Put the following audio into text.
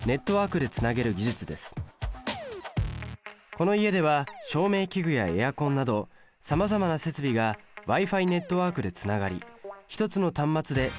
この家では照明器具やエアコンなどさまざまな設備がＷｉ−Ｆｉネットワークでつながり一つの端末で操作できるんです